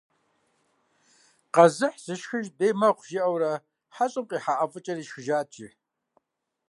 «Къэзыхь зышхыж бей мэхъу» жиӏэурэ, хьэщӏэм къихьа ӏэфӏыкӏэхэр ишхыжат, жи.